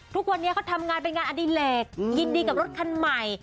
ทำงานเป็นงานอดิเลกยินดีกับรถคันใหม่